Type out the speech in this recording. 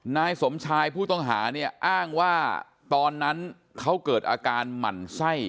นายสมชายผู้ต้องหาเนี่ยอ้างว่าตอนนั้นเขาเกิดอาการหมั่นไส้